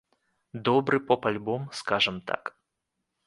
Добры поп-альбом скажам так.